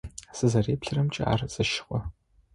Сызэреплъырэмкӏэ ар зэщыгъо.